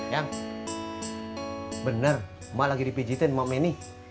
yang bener emak lagi dipijitin emak meni